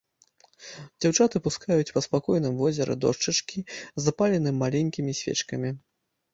Дзяўчаты пускаюць па спакойным возеры дошчачкі з запаленымі маленькімі свечкамі.